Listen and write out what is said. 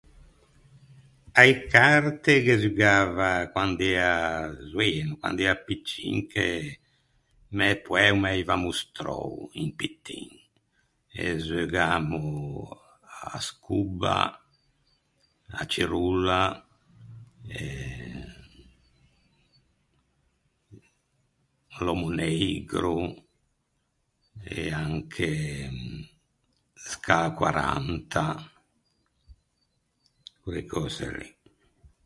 A-e carte ghe zugava quand’ea zoeno, quand’ea piccin che mæ poæ o m’aiva mostrou un pittin. E zeugamo à sgobba, à cirolla e à l’òmmo neigro e anche scâ quaranta. Quelle cöse lì.